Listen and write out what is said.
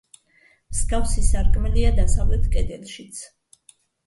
მსგავსი სარკმელია დასავლეთ კედელშიც.